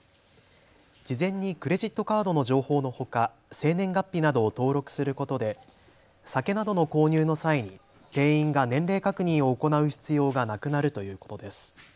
事前にクレジットカードの情報のほか、生年月日などを登録することで酒などの購入の際に店員が年齢確認を行う必要がなくなるということです。